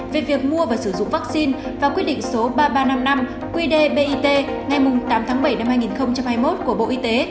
về việc mua và sử dụng vaccine và quyết định số ba nghìn ba trăm năm mươi năm qd bit ngày tám tháng bảy năm hai nghìn hai mươi một của bộ y tế